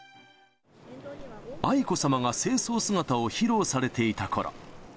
愛子さまが正装姿を披露されていたころ。